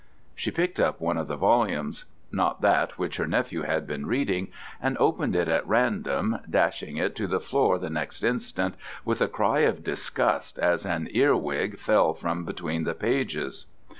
She picked up one of the volumes not that which her nephew had been reading and opened it at random, dashing it to the floor the next instant with a cry of disgust as a earwig fell from between the pages.